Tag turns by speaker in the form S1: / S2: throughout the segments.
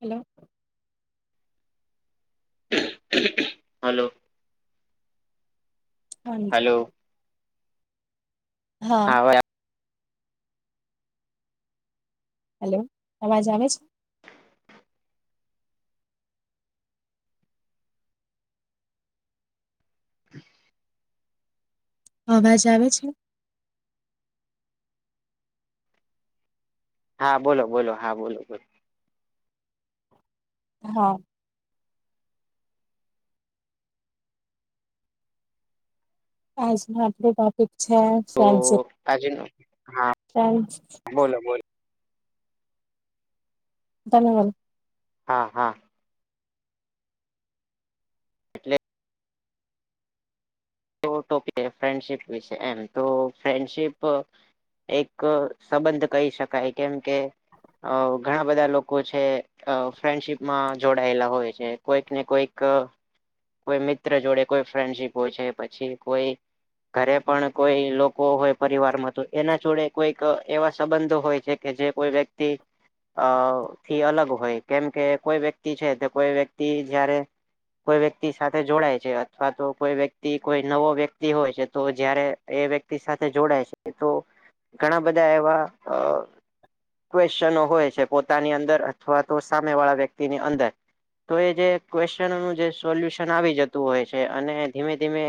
S1: Hello
S2: hello hello
S1: [unintelligible] હા hello અવાજ આવે છ અવાજ આવે છે
S2: હા બોલો બોલો હા બોલો બોલો
S1: હા આજનું આપણું ટોપિક છે
S2: તો
S1: ફ્રેન્ડશીપ
S2: આજનો હા
S1: ફ્રેન્ડસ
S2: બોલો બોલો
S1: ધન્યવાદ
S2: હા હા એટલે તો ટિપિકે ફ્રેન્ડશીપ વિશે એમ તો ફ્રેન્ડશીપ એક સંબંધ કહી શકાય કેમ કે અ ઘણા બધા લોકો છે અ ફ્રેન્ડશીપ માં જોડાયેલા હોય છે. કોઈક ને કોઈક કોઈ મિત્ર જોડે કોઈ ફ્રેન્ડશીપ હોય છે પછી કોઈ ઘરે પણ કોઈ લોકો હોય પરિવારમાં તો એના જોડે કોઈક એવા સંબંધો હોય છે. કે જે કોઈ વ્યક્તિ અહ થી અલગ હોય કેમ કે કોઈ વ્યક્તિ છે તો કોઈ વ્યક્તિ જયારે કોઈ વ્યક્તિ સાથે જોડાય છે અથવા તો કોઈ વ્યક્ તી કોઈ નવો વ્યક્તિ હોય છે તો જયારે એ વ્યક્તિ સાથે જોડાય છે તો ઘણા બધા એવા અહ ક્વેશ્ચનો હોય છે પોતાની અંદર અથવા તો સામે વાળા વ્યક્તિની અંદર. તો એ જે ક્વેશ્ચનોનું જે સોલ્યુશન આવી જતું હોય છે અને ધીમે ધીમે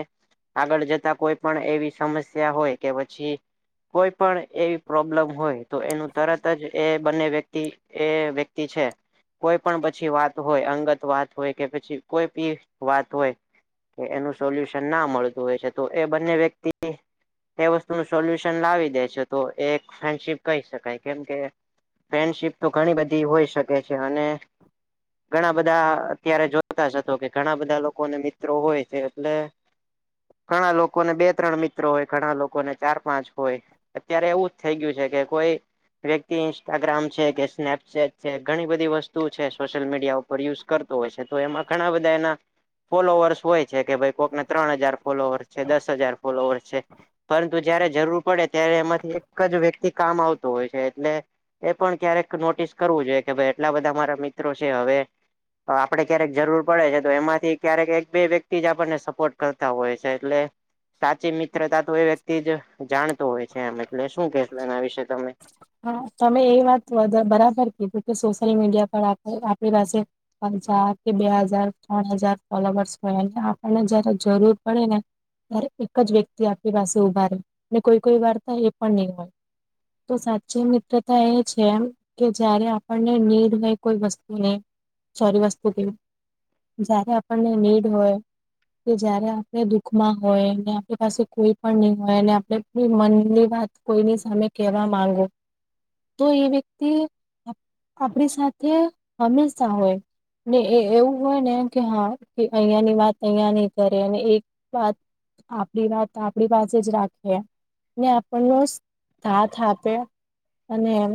S2: આગળ જતા કોઈ પણ એવી સમસ્યા હોય કે પછી કોઈ પણ એવી પ્રોબ્લમ હોય તો એનું તરત જ એ બંને વ્યક્તિ એ વ્યક્તિ છે કોઈ પણ પછી વાત હોય અંગત વાત હોય કે પછી કોઈ બી વાત હોય કે એનું સોલ્યુશન ના મળતું હોય છે તો એ બંને વ્યક્તિ એ વસ્તુ નું સોલ્યુશન લાવી દે છે તો એ એક ફ્રેન્ડશીપ કહી શકાય કેમ કે ફ્રેન્ડશીપ તો ઘણી બધી હોય શકે છે અને ઘણા બધા અહ અત્યારે જોતા જ હશો કે ઘણા બધા લોકોને મિત્રો હોય છે એટલે ઘણા લોકોને બે ત્રણ મિત્ર હોય ઘણા લોકોને ચાર પાંચ હોય. અત્યારે એવું જ થઈ ગયું છે કે કોઈ વ્યક્તિ ઇન્સ્ટાગ્રામ છે કે સ્નેપચેટ છે ઘણી બધી વસ્તુ છે સોશિયલ મીડિયા ઉપ પર યુસ કરતો હોય છે તો એમાં ઘણા બધા એના ફોલોવર્સ હોય છે કે ભઈ કોકને ત્રણ હજાર ફોલોવર છે દસ હજાર ફોલોવર છે પરંતુ જયારે જરૂર પડે ત્યારે એમાંથી એક જ વ્યક્તિ કામ આવતો હોય છે એટલે એ પણ ક્યારેક નોટિસ કરવું જોઈએ કે ભઈ એટલા બધા મારા મિત્રો છે હવે તો આપડે ક્યારેક જરૂર પડે છે તો એમાંથી ક્યારેક એક બે વ્યક્તિ જ આપણને સ સપોર્ટ કરતા હોય છે એટલે સાચી મિત્રતા તો એ વ્યક્તિ જ જાણતો હોય છે એમ ને એટલે શું કેસ એના વિશે તમે?
S1: હા, તમે એ વાત વધ બરાબર કીધું કે સોશિયલ મીડિયા પર આપ આપેલા સે હજાર કે બે હજાર ત્રણ હજાર ફોલોવર્સ હોય એટલે આપણને જયારે જરૂર પડે ને ત્યારે એક જ વ્યક્તિ આપણી પાસે ઉભા રે ને કોઈ કોઈ વાર તો એ પણ નહીં હોય. તો સાચ ચી મિત્રતા એ છે એમ કે જયારે આપણને નીડ હોય કોઈ વસ્તુની સોરી વસ્તુ કે જયારે આપણને નીડ હોય કે જયારે આપડે દુખમાં હોય ને આપડી પાસે કોઈ પણ નહી હોય અને આપડે કે મનની વાત કોઈની સામે કેવા માંગો તો એ વ્યક્તિ આપદડી સાથે હંમેશા હોય. ને એ એવું હોય ને કે હા અહિયાની વાત અહિયા નહી કરે અને એક વાત આપડી વાત આપડી પાસે જ રાખેને આપણને સાથ આપે અને એમ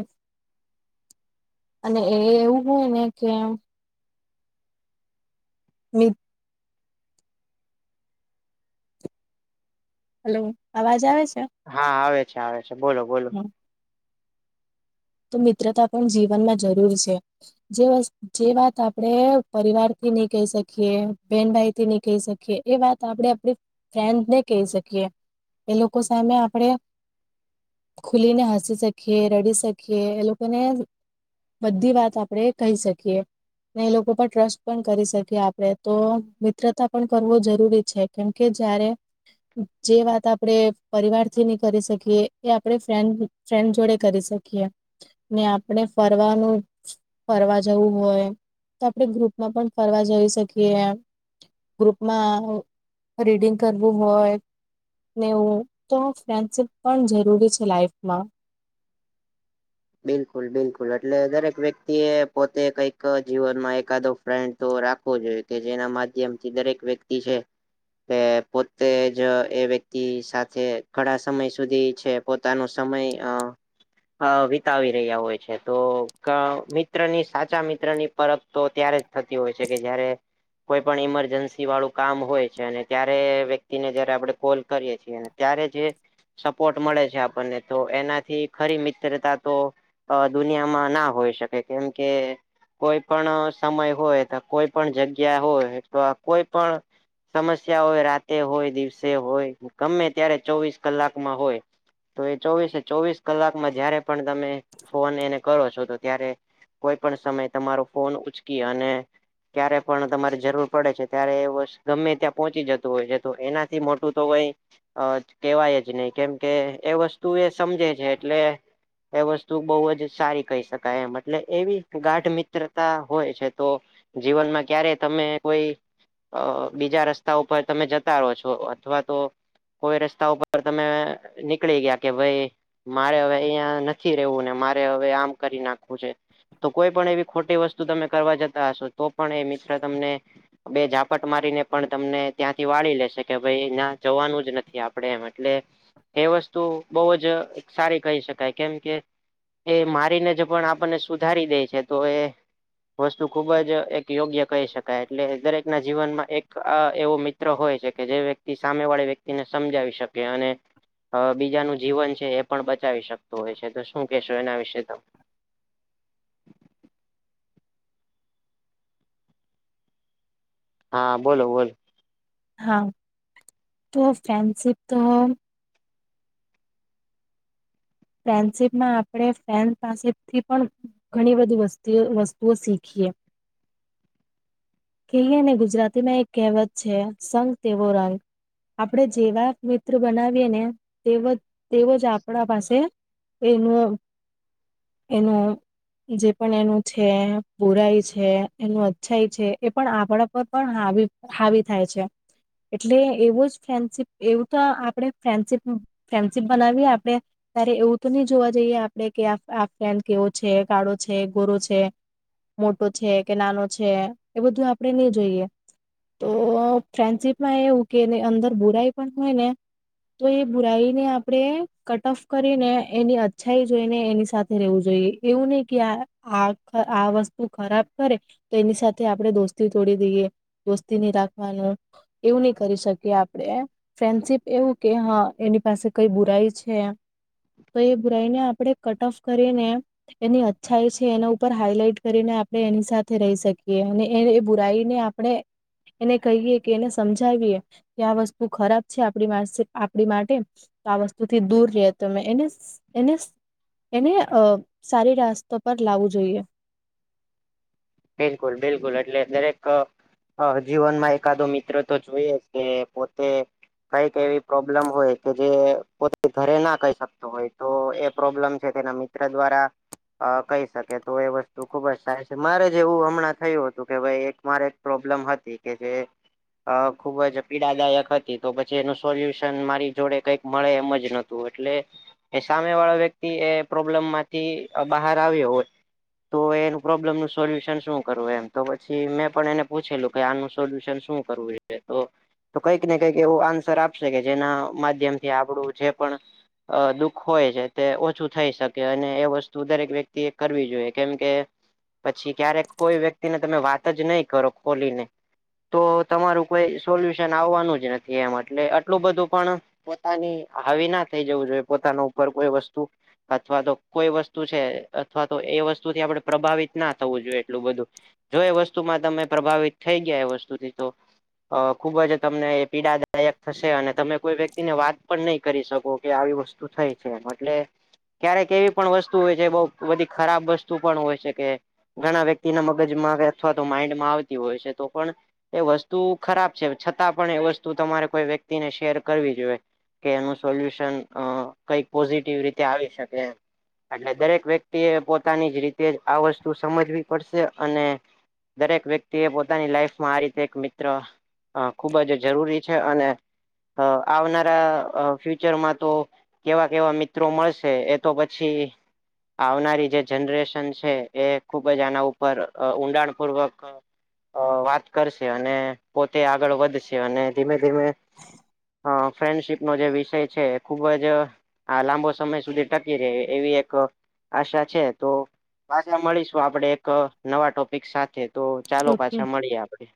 S1: અને એ એવું હોય ને કે મિત હલો, અવાજ આવે છે?
S2: હા, આવે છે આવે છે. બોલો બોલ
S1: હા, તો મિત્રતા પણ જીવનમાં જરૂર છે જે વસ જે વાત આપડે પરિવાર થી નહી કહી શકીએ બેહેન ભાઈ થી નહી કહી શકીએ એ વાત તા આપ આપણડી ફ્રેન્ડ નહી કહી શકીએ એ લોકો સામે આપડે ખુલી ને હસી શકીએ રડી શકીએ એ લોકોને બધી વાત આપડે કહી શકીએ. ને એ લોકો પર ટ્રસ્ટ પણ કરી શકીએ આપડે તો મિત્રતા પણ કરવો જરૂરી છે. કેમ કે જયારે જે વાત આપડે પરિવાર થી ની કરી શકીએ એ આપણેે ફ્રેન્ડ ફ્રેન્ડ જોડે કરી શકીએ. ને આપણે ફરવાનું ફરવા જવું હોય તો આપણે ગ્રુપમાં પણ ફરવા જઈ શકીએ. ગ્રુપમાં રીડિંગ કરવું હોય નેવું તો ફ્રેન્ડશીપ પણ જરૂરી છે લાઈફમાં.
S2: બિલકુલ બિલકુલ એટલે દરેક વ્યક્તિ એ પોતે કઈક જીવન માં એકાદો ફ્રેન્ડ તો રાખવો જોઈએ કે જેના માધ્યમથી દરેક વ્યક્તિ છે તે પોતે જ એ વ્યક્તિ સાથે ઘણા સમય સુધી છે પોતાનો સમય અ વીત વીતાવી રહ્યા હોય છે તો મિત્રની સાચા મિત્રની પરખ તો ત્યારે જ થતી હોય છે કે જયારે કોઈ પણ ઈમરજન્સી વાળું કામ હોય છે અને ત્યારે વ્યક્તિને જયારે આપણે કોલ કરીએ છીએ ત્યારે જે સપોર્ટ મળે છે આપણને તો એનાથી ખરી મિત્રતા તો અ દુનિયામાં ના હોઈ શકે કેમ કે કોઈ પણ સમય હોય તો કોઈ પણ જગ્યા હોય તો કોઈ પણ સમસ્યા હોય રાતે હોય, દિવસે હોય, ગમે ત્યારે, ચોવીસ કલાકમાં હોય તો એ ચોવીસે ચોવીસ કલાકમાં જયારે પણ તમે ફોન એને કરો છો તો ત્યારે કોઈ પણ સમય તમારો ફોન ઉંચકી અને ક્યારે પણ તમારે જરૂર પડે છે. ત્યારે એ [unintelligible] ગમે ત્યાં પહોંચી જતો હોય છે તો એનાથી મોટું તો કઈ અ કેવાય નહી કેમ કે એ વસ્તુ સમજે છે એટલે એ વસ્તુ બહુ જ સારી કહી શકાય એમ એટલે એવી ગાઢ મિત્રતા હોય છે તો જીવનમાં ક્યારે તમે કોઇ અ બીજા રસ્તા ઉપર તમે જતા રહો છો અથવા તો કોઈ રસ્તા ઉપર તમે નીકળી ગયા કે ભાઈ મારે હવે અહીંયા નહી નથી રવું ને મારે હવે આમ કરી નાખવું છે. તો કોઈ પણ એવી ખોટી વસ્તુ તમે કરવા જતા હશો તો પણ એ મિત્ર તમને બે ઝાપટ મારીને પણ તમને ત્યાંથી વાળી લેશે કે ભાઈ ના જવાનું જ નથી આપડે એમ એટલે એ વસ્તુ બવજ સારી કહી શકાય કેમ કે એ મારીને જ પણ આપણને સુધારી દે છે તો એ વસ્તુ ખુબ જ એક યોગ્ય કહી શકાય એટલે દરેક ના જીવનમાં એક આ એવો મિત્ર હોય છે કે જે વ્યક્તિ સામે વાળી વ્યક્તિને સમજાવી શકે અને અ બીજાનું જીવન છે એ પણ બચાવી શકતો હોય છે તો શું કેહેશો એના વિશે તમે હા બોલો બોલો.
S1: હા તો ફ્રેન્ડશિપ તો ફ્રેન્ડશીપમાં આપણે ફ્રેન્ડ પાસેથી પણ ઘણી બધી વસ્તુઓ શીખીએ [unintelligible] ગુજરાતીમાં એક કહેવત છે સંગ તેવો રંગ. આપણે જેવા મિત્ર બનાવીએ ને તે તેવ જ આપણા પાસે એનું એનો જે પણ એનું છે બૂરાય છે એનું અચ્છાઈ છે એ પણ આપણા પર પણ હાવી હાવી થાય છે. એટલે એવું જ ફ્રેન્ડશીપ એવું તો આપણે ફ્રેન્ડશિપ ફ્રેન્ડશિપ બનાવીએ આપણે ત્યારે એવું તો નહી જોવા જઈએ આપડે કે આ ફેન કેવો છે કાળો છે ગોરો છે મોટો છે કે નાનો છે એ બધું આપડે નઈ જોઈએ. તો ફ્રેન્ડશીપમાં એવું કે એને અંદર બુરાઈ પણ હોય ને તો એ બુરાઈને આપણે કટફ કરીને એની અચ્છાઈ જોઈને એની સાથે રહેવું જોઈએ એવું નહી કે આ આ આ વસ્તુ ખરાબ કરે તો એની સાથે આપણે દોસ્તી તોડી દઈએ દોસ્તી ની રાખવાનું એવું નઈ કરી શકીએ આપડે ફ્રેન્ડશીપ એવું કે હા એની પાસે કઈ બુરાઈ છે એમ તો એ બુરાઈને આપણે કટ ઓફ કરીને એની અચ્છાઈ છે એના ઉપર હાઈલાઈટ કરીને આપણે એની સાથે રહી શકીએ અને એની એ બુરાઈને આપણે એને કહીએ કે એને સમજાવીએ કે આ વસ્તુ ખરાબ છે આપણી વારસે આપણી માટે તો આ વસ્તુ થી દૂર રહે. તમે એને-એને-એને અ સારી રાસ્તો પર લાવું જોઈએ.
S2: બિલકુલ બિલકુલ એટલે દરેક અ જીવનમાં એકાદો મિત્રો તો જોઈએ જ કે પોતે કઈક એવી પ્રોબ્લેમ હોય કે જે પોતે ઘરે ના કહી શકતો હોય તો એ પ્રોબ્લેમ છે તેના મિત્ર દ્વારા અ કહી શકે તો એ વસ્તુ ખુબ જ સારી છે મારે એવું હમણાં થયું હતું કે ભાઈ એક મારે એક પ્રોબ્લેમ હતી કે જે અ ખુબ જ પીડાદાયક હતી તો પછી એનું સોલ્યુશન મારી જોડે કઈક મળે એમ જ ન તો એટલે એ સામે વાળા વ્યક્તિ એ પ્રોબ્લેમમાંથી અ બહાર આવ્યો હોય તો એનું પ્રોબ્લમ સોલ્યુશન શું કરવું એમ તો પછી મેં પણ એને પૂછેલું કે આનું સોલ્યુશન શું કરવું તો તો કંઈક ને કંઈક એવું આન્સર આપશે કે જેના માધ્યમથી આપડું જે પણ અ દુઃખ હોય છે તે ઓછું થઈ શકે અને એ વસ્તુ દરેક વ્યક્તિ એ કરવી જોઈએ કેમ કે પછી ક્યારેક કોઈ વ્યક્તિને તમે વાત જ નહી કરો ખોલીને તો તમારું કોઈ સોલ્યુશન આવવાનું જ નથી એમ એટલે આટલું બધું પણ પોતાની હાવી ના થઈ જવું જોઈએ પોતાના ઉપર કોઈ વસ્તુ અથવા તો કોઈ વસ્તુ છે અથવા તો એ વસ્તુથી આપણે પ્રભાવિત ના થવું જોઈએ એટલું બધું. જો એ વસ્તુમાં તમે પ્રભાવિત થઈ ગયા એ વસ્તુથી તો અ ખુબ જ તમને એ પીડાદાયક થશે અને તમે કોઈ વ્યક્તિને વાત પણ નહી કરી શકો કે આવી વસ્તુ શું થાઈ છે એમ એટલે ક્યારેક એવી પણ વસ્તુ હોય છે બઉ બધી ખરાબ વસ્તુ પણ હોય છે કે ઘણા વ્યક્તિના મગજમાં અથવા તો માઈન્ડમાં આવતી હોય છે તો પણ એ વસ્તુ ખરાબ છે છતાં પણ એ વસ્તુ તમારે કોઈ વ્યક્તિને શેર કરવી જોઈએ. કે એનું સોલ્યુશન અ કઈક પોઝિટિવ રીતે આવી શકે એમ. એટલે દરેક વ્યક્તિ એ પોતાની જ રીતે જ આ વસ્તુ સમજવી પડશે અને દરેક વ્યક્તિ એ પોતાની લાઈફમાં આ રીતે એક મિત્ર અ ખુબ જ જરૂરી છે અને અ આવનારા અ ફ્યુચરમાં તો કેવા કેવા મિત્રો મળશે એ તો પછી આવનારી જે જનરેશન છે એ ખુબ જ આના ઉપર અ ઊંડાણ પૂર્વક અ વાત કરશે અને પોતે આગળ વધશે અને ધીમે ધીમે અ ફ્રેન્ડશીપનો જે વિષય છે એ ખુબ જ આ લાંબો સમય સુધી ટકી રહે એવી એક આશા છે તો પાછા મળીશું આપડે એક નવા ટોપિક સાથે તો ચાલો
S1: ઓકે
S2: પાછા મળીએ આપડે.